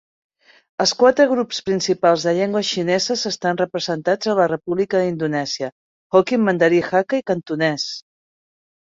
Els quatre grups principals de llengües xineses estan representats a la República d'Indonèsia: hokkien, mandarí, hakka i cantonès.